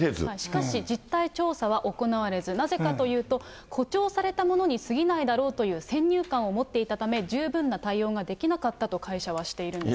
しかし実態調査は行われず、なぜかというと、誇張されたものにすぎないだろうという先入観を持っていたため、十分な対応ができなかったと会社はしているんです。